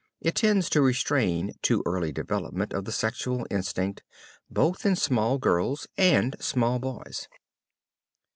It tends to restrain too early development of the sexual instinct both in small girls and small boys.